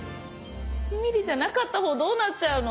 ２ミリじゃなかったほうどうなっちゃうの？